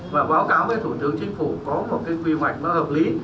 và báo cáo với thủ tướng chính phủ có một cái quy hoạch nó hợp lý